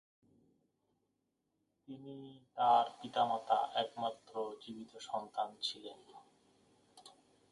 তিনি তার পিতামাতা একমাত্র জীবিত সন্তান ছিলেন।